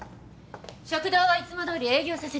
食堂はいつもどおり営業させてください。